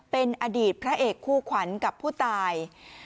เป็นอดีตพระเอกคู่ขวัญกับผู้ตาย